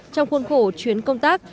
trong khuôn khổ chuyến công tác